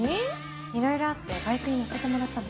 いろいろあってバイクに乗せてもらったの。